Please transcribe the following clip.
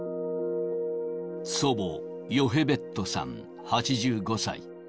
祖母、ヨヘベットさん８５歳。